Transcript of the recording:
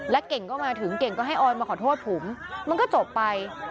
เก่งก็มาถึงเก่งก็ให้ออยมาขอโทษผมมันก็จบไป